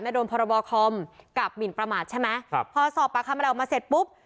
โดนพรบคอมกับหมินประมาทใช่ไหมครับพอสอบปากคำอะไรออกมาเสร็จปุ๊บ